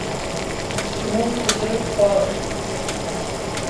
Simo kutilik xwarin